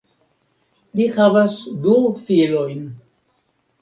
Li havas du filojn.